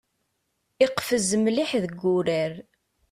Iqfez mliḥ deg urar.